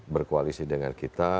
berkoalisi dengan kita